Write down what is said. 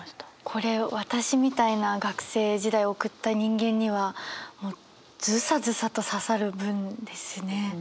これ私みたいな学生時代を送った人間にはズサズサと刺さる文ですね。